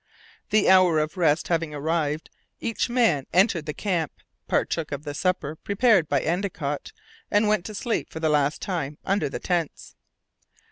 The hour of rest having arrived, each man entered the camp, partook of the supper prepared by Endicott, and went to sleep for the last time under the tents.